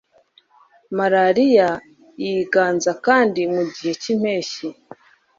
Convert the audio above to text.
malariya yiganza kandi mu gihe cy'impeshyi